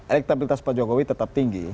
elektabilitas pak jokowi tetap tinggi